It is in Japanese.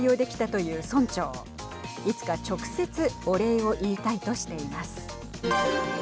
いつか直接お礼を言いたいとしています。